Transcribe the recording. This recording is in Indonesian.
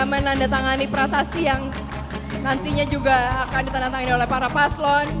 menandatangani prasasti yang nantinya juga akan ditandatangani oleh para paslon